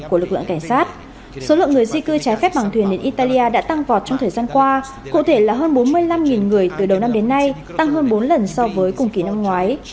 số lượng cảnh sát số lượng người di cư trái phép bằng thuyền đến italia đã tăng vọt trong thời gian qua cụ thể là hơn bốn mươi năm người từ đầu năm đến nay tăng hơn bốn lần so với cùng kỳ năm ngoái